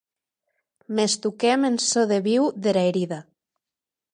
Mès toquem en çò de viu dera herida.